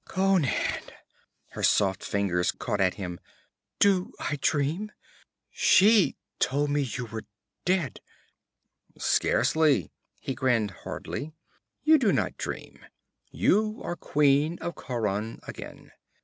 'Conan!' Her soft fingers caught at him. 'Do I dream? She told me you were dead ' 'Scarcely!' He grinned hardly. 'You do not dream. You are Queen of Khauran again.